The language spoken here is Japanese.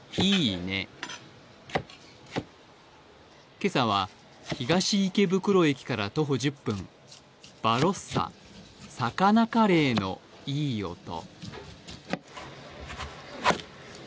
今朝は東池袋駅から徒歩１０分、バロッサ、サカナカレーのいい音。